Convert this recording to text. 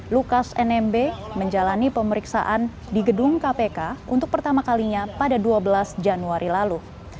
lukas nmb menjalani pemeriksaan di gedung kpk untuk pertama kalinya pada dua belas januari lalu